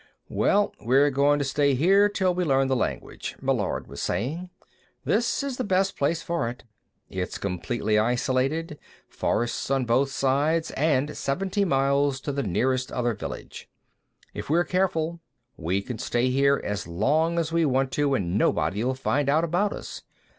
"Well, we're going to stay here till we learn the language," Meillard was saying. "This is the best place for it. It's completely isolated, forests on both sides, and seventy miles to the nearest other village. If we're careful, we can stay here as long as we want to and nobody'll find out about us.